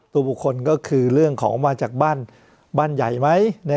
ตัวบุคคลก็คือเรื่องของมาจากบ้านใหญ่ไหม